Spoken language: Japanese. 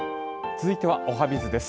続いてはおはＢｉｚです。